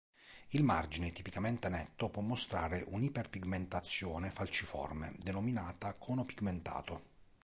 Il margine, tipicamente netto, può mostrare un'iperpigmentazione falciforme denominata "cono pigmentato".